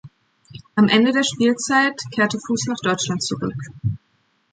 Am Ende der Spielzeit kehrte Fuss nach Deutschland zurück.